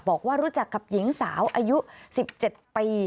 บอกว่ารู้จักกับหญิงสาวอายุ๑๗ปี